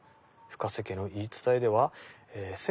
深瀬家の言い伝えでは」。